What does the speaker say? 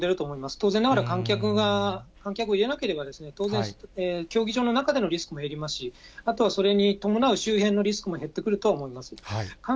当然ながら、観客を入れなければ、当然、競技場の中でのリスクも減りますし、あとそれに伴う周辺のリスクも減ってくるとは思います。